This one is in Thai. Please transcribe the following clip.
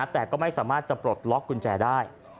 แต่ก็ไม่สามารถจะปลดล็อกกุญแจได้